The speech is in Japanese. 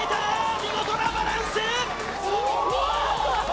見事なバランス！